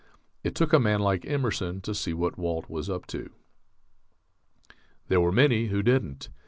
It took a man like Emerson to see what Walt was up to. There were many who didn't.